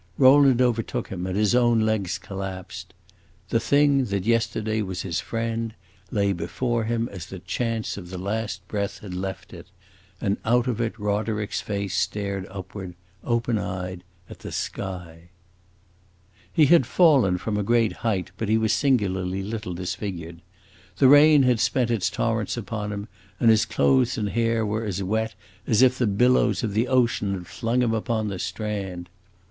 Rowland overtook him and his own legs collapsed. The thing that yesterday was his friend lay before him as the chance of the last breath had left it, and out of it Roderick's face stared upward, open eyed, at the sky. He had fallen from a great height, but he was singularly little disfigured. The rain had spent its torrents upon him, and his clothes and hair were as wet as if the billows of the ocean had flung him upon the strand.